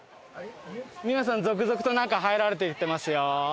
皆さん続々と中入られていってますよ。